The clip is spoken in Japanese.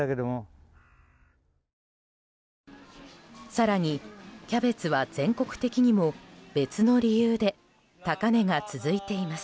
更に、キャベツは全国的にも別の理由で高値が続いています。